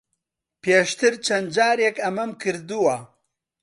پێشتر چەند جارێک ئەمەم کردووە.